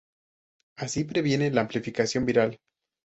Así previene la amplificación viral.